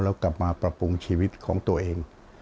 แล้วกลับมาปรับปรุงชีวิตของตัวเอง